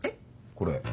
これ。